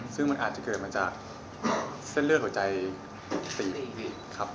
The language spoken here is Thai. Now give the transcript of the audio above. ซึ่งมันอาจจะเกิดมาจากเส้นเลือดหัวใจตีเองพี่ครับ